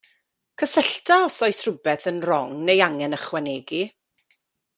Cysyllta os oes rhywbeth yn rong neu angen ychwanegu.